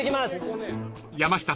［山下さん